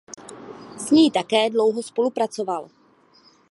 S ní také dlouho spolupracoval.